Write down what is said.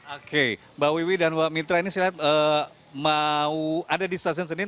oke mbak wiwi dan mbak mitra ini saya lihat mau ada di stasiun senin